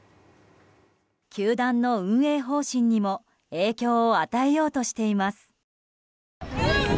球団の運営方針にも影響を与えようとしています。